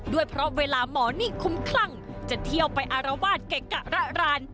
ด้วยเพราะเวลาหมอนี่คุ้มคลั่งจะเที่ยวไปอารวาสเกะกะระราน